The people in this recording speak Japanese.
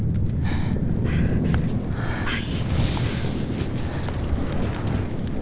はい。